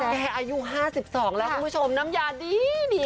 อายุ๕๒แล้วคุณผู้ชมน้ำยาดี